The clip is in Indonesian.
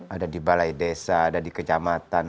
ada di balai desa ada di kecamatan